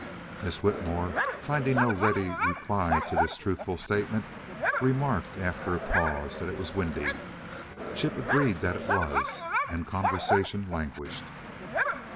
Miss Whitmore, finding no ready reply to this truthful statement, remarked, after a pause, that it was windy. Chip agreed that it was, and conversation languished.